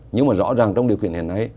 nhưng mà rõ ràng trong điều kiện hiện nay